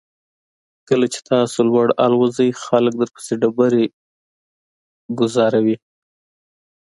کله چې تاسو لوړ الوځئ خلک درپسې ډبرې ګوزاروي.